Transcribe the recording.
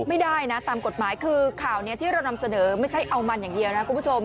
ไม่ได้นะตามกฎหมายคือข่าวนี้ที่เรานำเสนอไม่ใช่เอามันอย่างเดียวนะคุณผู้ชม